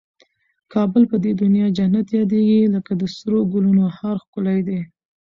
کابل په دي دونیا جنت یادېږي لکه د سرو ګلنو هار ښکلی دی